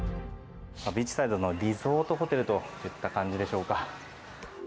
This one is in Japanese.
ビーチサイドのリゾートホテルといった感じでしょうか。